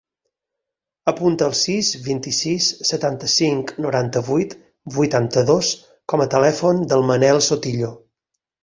Apunta el sis, vint-i-sis, setanta-cinc, noranta-vuit, vuitanta-dos com a telèfon del Manel Sotillo.